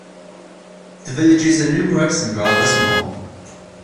The villages are numerous and rather small.